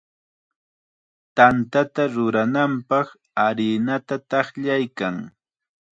Tantata rurananpaq harinata taqllaykan.